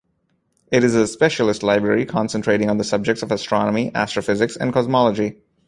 It is a specialist library concentrating on the subjects of astronomy, astrophysics and cosmology.